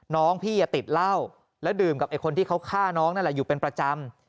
น้องพี่อย่าติดเล่าแล้วดื่มกับคนที่เขาฆ่าน้องอยู่เป็นประจำ